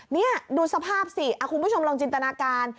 นี่ดูสภาพสิคุณผู้ชมลองจินตนาการ